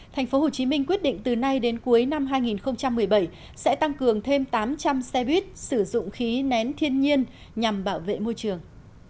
tp hcm quyết định từ nay đến cuối năm hai nghìn một mươi bảy sẽ tăng cường thêm tám trăm linh xe buýt sử dụng khí nén thiên nhiên nhằm bảo vệ môi trường